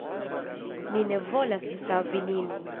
Ni ne volas savi nin.